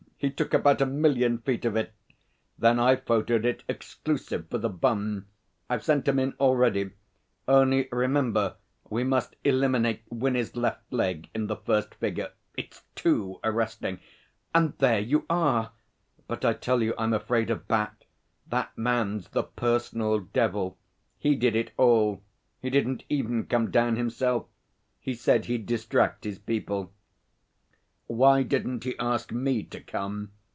He took about a million feet of it. Then I photoed it exclusive for The Bun. I've sent 'em in already, only remember we must eliminate Winnie's left leg in the first figure. It's too arresting.... And there you are! But I tell you I'm afraid of Bat. That man's the Personal Devil. He did it all. He didn't even come down himself. He said he'd distract his people.' 'Why didn't he ask me to come?'